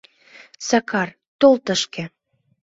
— Сакар, тол тышке!